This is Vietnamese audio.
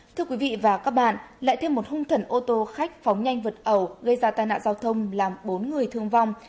thưa quý vị và các bạn lại thêm một hung thần ô tô khách phóng nhanh vượt ẩu gây ra tai nạn giao thông làm bốn người thương vong